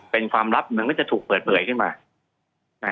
เป็นความลับมันก็จะถูกเปิดเผยขึ้นมา